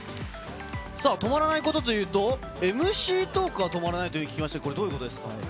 さあ、止まらないことというと、ＭＣトークが止まらないと聞きましたが、これ、どういうことです